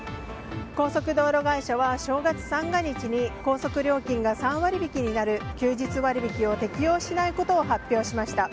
高速道路会社は正月三が日に高速料金が３割引きになる休日割引を適用しないことを発表しました。